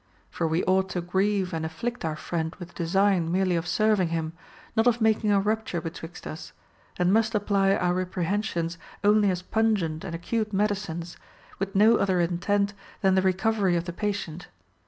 For we ought to grieve and afflict our friend with design merely of serving him, not of making a rupture betwixt us, and must apply our reprehen sions only as pungent and acute medicines, with no other intent than the recovery of the patient.